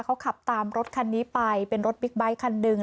เขาขับตามรถคันนี้ไปเป็นรถบิ๊กไบท์คันหนึ่ง